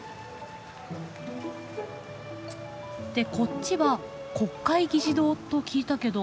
でこっちは国会議事堂と聞いたけど。